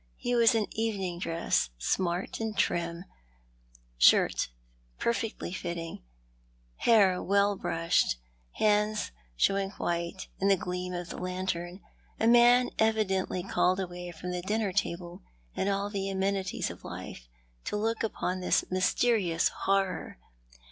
He was in evening dress, smart and trim, shirt perfectly fitting, hair well brushed, hands showing white in the gleam of the lantern, a man evidently called away from the dinner table and all the amenities of life to look upon this mysterious horror.